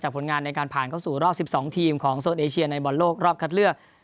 ผลงานในการผ่านเข้าสู่รอบ๑๒ทีมของโซนเอเชียในบอลโลกรอบคัดเลือก